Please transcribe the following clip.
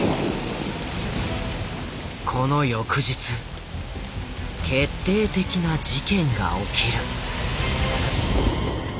この翌日決定的な事件が起きる。